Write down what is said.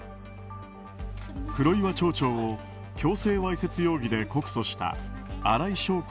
黒岩町長を強制わいせつ容疑で告訴した新井祥子